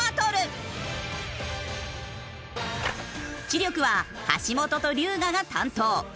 知力は橋本と龍我が担当。